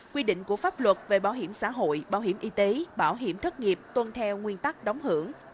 quy định của pháp luật về bảo hiểm xã hội bảo hiểm y tế bảo hiểm thất nghiệp tuân theo nguyên tắc đóng hưởng